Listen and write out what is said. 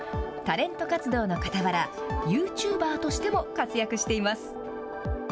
タレント活動のかたわら、ユーチューバーとしても活躍しています。